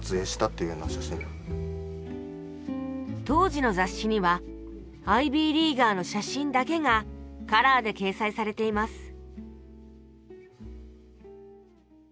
当時の雑誌にはアイビー・リーガーの写真だけがカラーで掲載されています